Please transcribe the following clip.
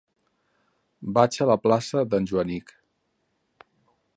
Vaig a la plaça d'en Joanic.